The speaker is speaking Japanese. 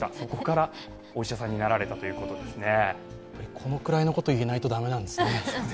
このくらいのことを言えないと駄目なんですね。